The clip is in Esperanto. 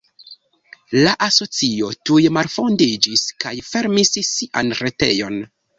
La asocio tuj malfondiĝis kaj fermis sian retejon.